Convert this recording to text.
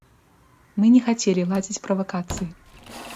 Мы не хацелі ладзіць правакацыі.